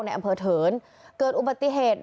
ในอำเภอเถินเกิดอุบัติเหตุ